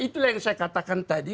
itulah yang saya katakan tadi